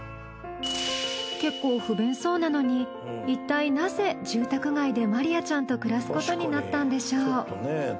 結構不便そうなのにいったいなぜ住宅街でマリヤちゃんと暮らすことになったんでしょう？